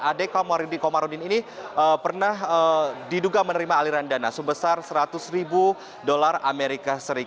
ade komarudin ini pernah diduga menerima aliran dana sebesar seratus ribu dolar as